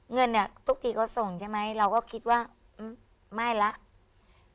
เงินเนี่ยทุกทีเขาส่งใช่ไหมเราก็คิดว่าไม่แล้ว